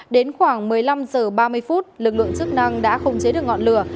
đến khoảng một mươi năm h ba mươi lực lượng chức năng đã không chế được ngọn lửa